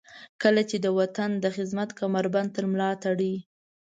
کله چې د وطن د خدمت کمربند تر ملاتړئ.